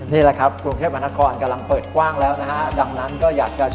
นี่แหละครับกรุงเทพมหาคอลกำลังเปิดกว้างแล้วนะฮะ